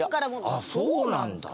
あっそうなんだ。